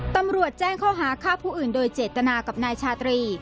ตำรวจแจ้งข้อหาฆ่าผู้อื่นโดยเจตนากับนายชาตรี